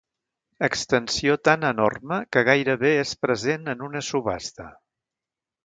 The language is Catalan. Extensió tan enorme que gairebé és present en una subhasta.